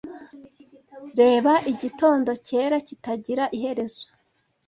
reba igitondo cyera kitagira iherezo